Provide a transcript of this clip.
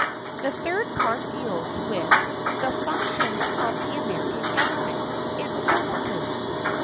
The third part deals with "The Functions of the American Government. Its Services."